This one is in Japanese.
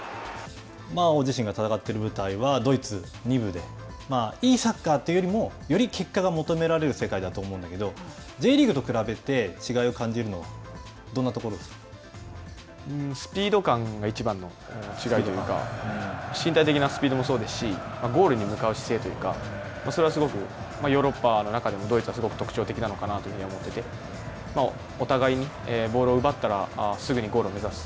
戦っている世界は、ドイツ２部でいいサッカーというよりもより結果が求められる世界だと思うんだけどＪリーグと比べて違いを感じるの、どんなところでスピード感がいちばんの違いというか身体的なスピードもそうですし、ゴールに向かう姿勢というかそれはすごくヨーロッパの中でもドイツはすごく特徴的なのかなと思ってて、互いにボールを奪ったらすぐにゴールを目指す。